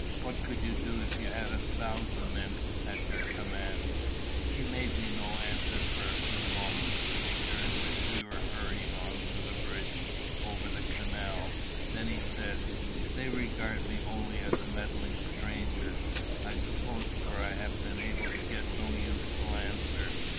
"What could you do if you had a thousand men at your command?" He made me no answer for a few moments, during which we were hurrying on for the bridge over the canal. Then he said: "They regard me only as a meddling stranger, I suppose; for I have been able to get no useful answer.